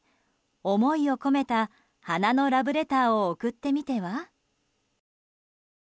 思いを込めた花のラブレターを贈ってみては？